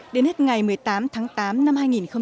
đến hết ngày một mươi tám tháng tám năm hai nghìn một mươi chín